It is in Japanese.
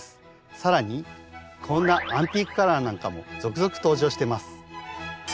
更にこんなアンティークカラーなんかも続々登場してます。